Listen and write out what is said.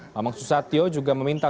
bambang susatyo juga meminta